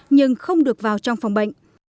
nhưng không được vào trong phòng bệnh